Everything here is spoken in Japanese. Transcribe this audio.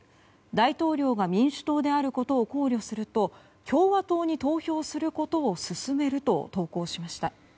大統領が民主党であることを考慮すると共和党に投票することを勧めると投稿しました。